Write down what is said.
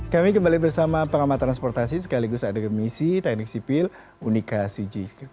kami kembali bersama pengamat transportasi sekaligus adegamisi teknik sipil unika sujih